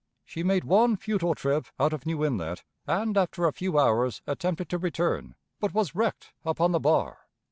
She made one futile trip out of New Inlet, and after a few hours attempted to return, but was wrecked upon the bar.